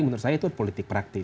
menurut saya itu politik praktis